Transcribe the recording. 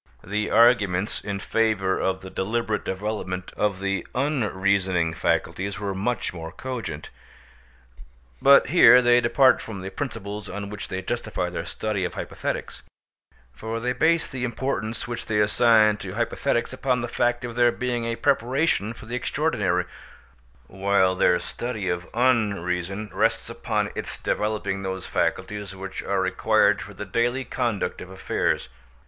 The arguments in favour of the deliberate development of the unreasoning faculties were much more cogent. But here they depart from the principles on which they justify their study of hypothetics; for they base the importance which they assign to hypothetics upon the fact of their being a preparation for the extraordinary, while their study of Unreason rests upon its developing those faculties which are required for the daily conduct of affairs.